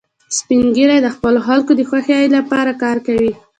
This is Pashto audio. سپین ږیری د خپلو خلکو د خوښۍ لپاره کار کوي